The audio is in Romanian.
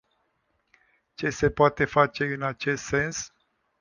Ce se poate face în acest sens?